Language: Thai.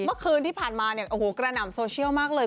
เมื่อคืนที่ผ่านมากระหน่ำโซเชียลมากเลย